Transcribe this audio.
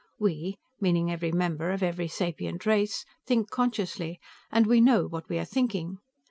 We meaning every member of every sapient race think consciously, and we know what we are thinking.